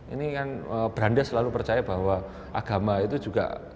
ini kan beranda selalu percaya bahwa agama itu juga